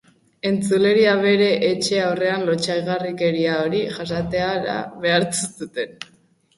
Entzuleria bere etxe aurrean lotsagarrikeria hori jasatera behartu zuten.